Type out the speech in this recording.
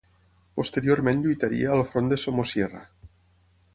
Posteriorment lluitaria al front de Somosierra.